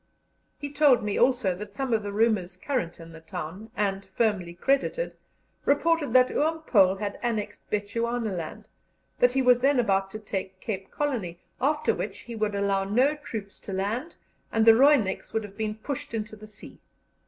He told me also that some of the rumours current in the town, and firmly credited, reported that Oom Paul had annexed Bechuanaland, that he was then about to take Cape Colony, after which he would allow no troops to land, and the "Roineks" would have been pushed into the sea.